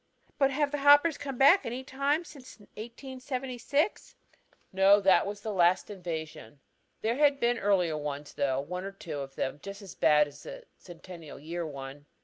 "But have the hoppers come back any time since 1876?" asks Mary. "No, that was the last invasion. There had been earlier ones, though, one or two of them just as bad as the Centennial year one.